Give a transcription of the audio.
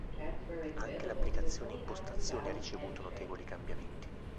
Anche l'applicazione impostazioni ha ricevuto notevoli cambiamenti.